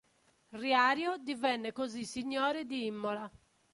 Riario divenne così signore di Imola.